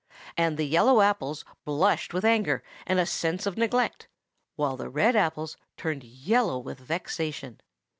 And the yellow apples blushed with anger and a sense of neglect; while the red apples turned yellow with vexation.